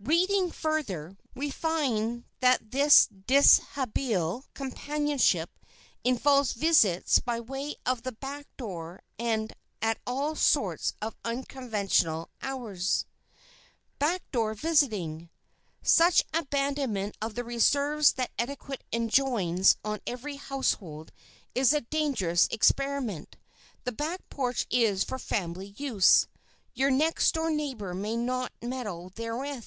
Reading further, we find that this dishabille companionship involves visits by way of the back door and at all sorts of unconventional hours. [Sidenote: BACK DOOR VISITING] Such abandonment of the reserves that etiquette enjoins on every household is a dangerous experiment. The back porch is for family use. Your next door neighbor may not meddle therewith.